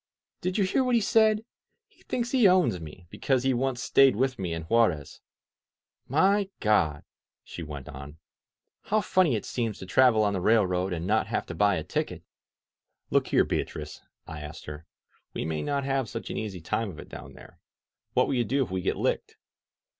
"Did you hear what he said? He thinks he owns me, be cause he once stayed with me in Juarez! •.. My God!" she went on. ^'How funny it seems to travel on the railroad and not have to buy a ticket!" 186 FIRST BLOOD Look here, Beatrice," I asked her; "we may not have such an easy time of it down there. What will you do if we get licked?"